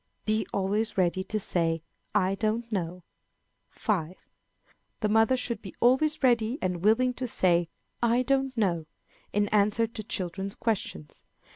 Be always ready to say "I don't know." 5. The mother should be always ready and willing to say "I don't know," in answer to children's questions.